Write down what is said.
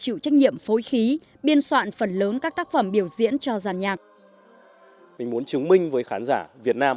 sức sông mới hiện là giàn nhạc duy nhất tại việt nam